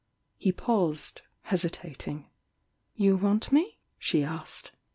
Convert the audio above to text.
He paused, hesitating. ^Tou want me?" she asked.